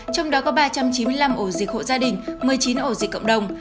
trong đó có ba trăm chín mươi năm ổ dịch hộ gia đình một mươi chín ổ dịch cộng đồng